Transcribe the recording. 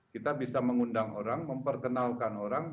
kita bisa mengundang orang memperkenalkan orang